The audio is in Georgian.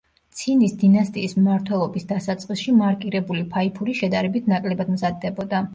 ცინის დინასტიის მმართველობის დასაწყისში მარკირებული ფაიფური შედარებით ნაკლებად მზადდებოდა.